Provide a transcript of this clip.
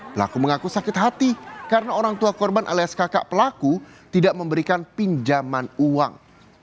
pelaku mengaku sakit hati karena orang tua korban alias kakak pelaku tidak memberikan pinjaman uang